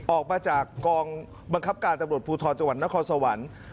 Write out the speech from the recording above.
ออกมาจากกองประชาการตำรวจภูทรจังหวัญทหรรณทนครสวรรค์